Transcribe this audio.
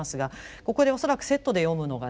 ここで恐らくセットで読むのがですね